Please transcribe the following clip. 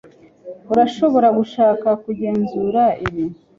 Urashobora gushaka kugenzura ibi.